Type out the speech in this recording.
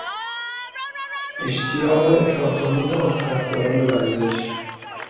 اشتیاق افراطآمیز آن طرفداران ورزش